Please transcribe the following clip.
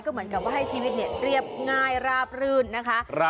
เหมือนกับว่าให้ชีวิตเรียบง่ายราบรื่นนะคะ